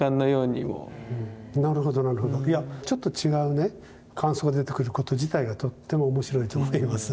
いやちょっと違う感想が出てくること自体がとっても面白いと思います。